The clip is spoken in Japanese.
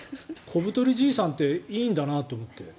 コブトリじいさんっていいんだなと思って。